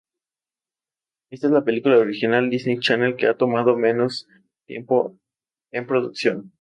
Esta es la Película Original Disney Channel que ha tomado menos tiempo en producción.